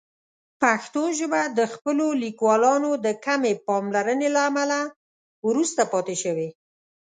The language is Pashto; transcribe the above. پښتو ژبه د خپلو لیکوالانو د کمې پاملرنې له امله وروسته پاتې شوې.